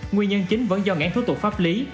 nguyên nhân chính vẫn do ngãn thủ tục pháp lý